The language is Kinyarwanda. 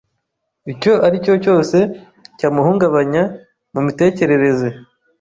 icyo aricyo cyose cyamuhungabanya mu mitekerereze,